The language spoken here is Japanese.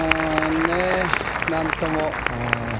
なんとも。